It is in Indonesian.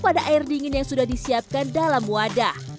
pada air dingin yang sudah disiapkan dalam wadah